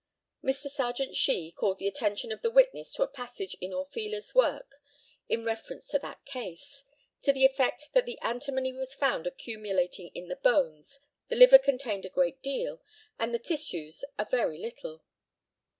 Mr. Serjeant SHEE called the attention of the witness to a passage in Orfila's work in reference to that case, to the effect that the antimony was found accumulating in the bones, the liver contained a great deal, and the tissues a very little.